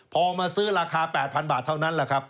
พอมาซื้อราคา๘๐๐บาทเท่านั้นแหละครับ